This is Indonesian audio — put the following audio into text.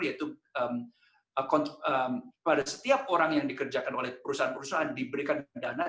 yaitu pada setiap orang yang dikerjakan oleh perusahaan perusahaan diberikan dana tiga puluh lima ribu dollar per tahun